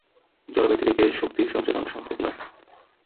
জড় ব্যতিরেকে শক্তির সঞ্চরণ সম্ভব নয়।